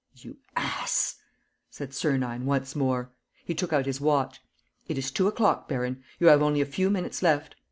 ..." "You ass!" said Sernine once more. He took out his watch. "It is two o'clock, baron. You have only a few minutes left.